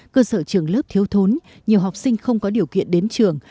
cơ sở trường lớp thiếu thốn nhiều học sinh không có điều kiện đến trường